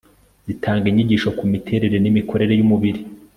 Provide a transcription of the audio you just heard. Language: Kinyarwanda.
zitanga inyigisho ku miterere n imikorere y umubiri